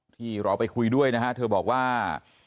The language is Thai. ที่เราไปคุยด้วยนะฮะเธอบอกว่า